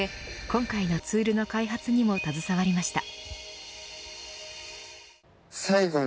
今回のツールの開発にも携わりました。